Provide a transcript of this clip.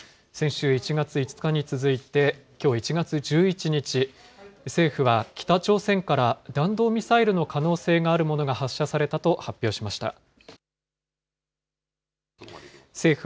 先週１月５日に続いて、きょう１月１１日、政府は北朝鮮から弾道ミサイルの可能性があるものが発射されたと発表しました。